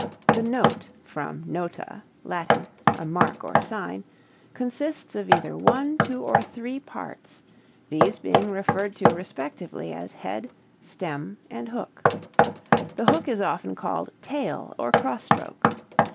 The note (from nota Latin a mark or sign) consists of either one, two, or three parts, these being referred to respectively as head, stem, and hook. The hook is often called tail or cross stroke.